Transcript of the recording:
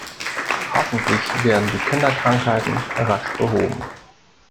Hoffentlich werden die Kinderkrankheiten rasch behoben.